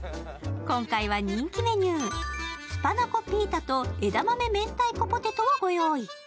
今回は人気メニュー、スパナコピータと枝豆明太子ポテトを御用意。